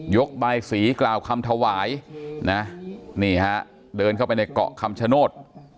ใบสีกล่าวคำถวายนะนี่ฮะเดินเข้าไปในเกาะคำชโนธ